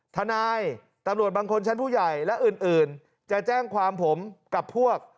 ทนายตำรวจบางคนชั้นผู้ใหญ่และอื่นจะแจ้งความผมกับพวก